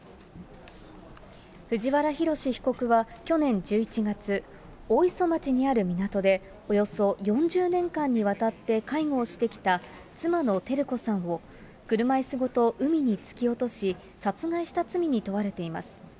藤原宏被告は去年１１月、大磯町にある港でおよそ４０年間にわたって介護してきた妻の照子さんを車いすごと海に突き落とし、殺害した罪に問われています。